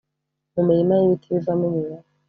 mu mirima y’ibiti bivamo imibavu,